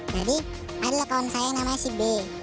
jadi ada lah kawan saya yang namanya si b